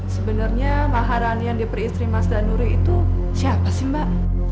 sebenernya laharan yang diperistri mas danuri itu siapa sih mbak